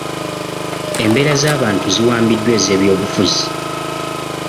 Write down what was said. Embeera z'abantu ziwambiddwa ez'ebyobufuzi.